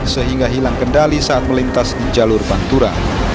sehingga hilang kendali saat melintas di jalur pantura